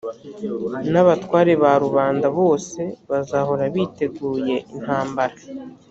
n’abatware na ba rubanda bose bazahora biteguye intambara